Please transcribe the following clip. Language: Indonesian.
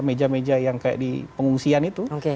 meja meja yang kayak di pengungsian itu